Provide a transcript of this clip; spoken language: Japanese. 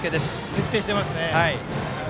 徹底していますね。